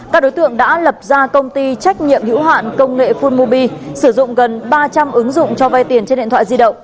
các đối tượng đã lập ra công ty trách nhiệm hữu hạn công nghệ fulmobi sử dụng gần ba trăm linh ứng dụng cho vay tiền trên điện thoại di động